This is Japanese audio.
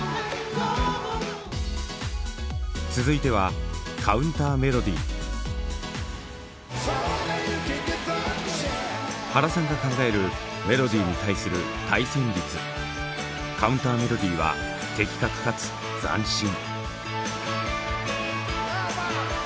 続いては原さんが考えるメロディーに対する対旋律カウンターメロディーは的確かつ斬新！